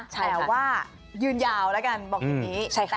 แต่ว่ายืนยาวแล้วกันบอกอย่างนี้